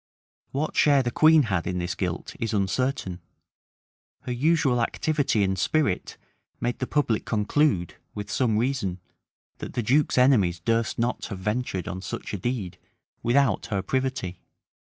What share the queen had in this guilt is uncertain; her usual activity and spirit made the public conclude, with some reason, that the duke's enemies durst not have ventured on such a deed without her privity.